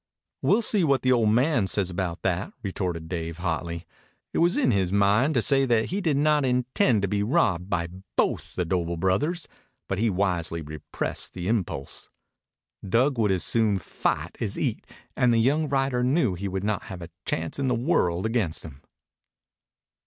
"We'll see what the old man says about that," retorted Dave hotly. It was in his mind to say that he did not intend to be robbed by both the Doble brothers, but he wisely repressed the impulse. Dug would as soon fight as eat, and the young rider knew he would not have a chance in the world against him.